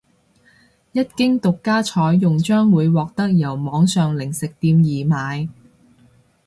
一經獨家採用將會獲得由網上零食店易買